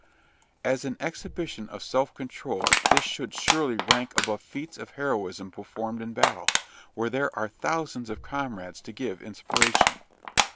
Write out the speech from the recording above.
As an exhibition of self control this should surely rank above feats of heroism performed in battle, where there are thousands of comrades to give inspiration.